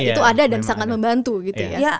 itu ada dan sangat membantu gitu ya